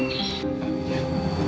t dewi juga being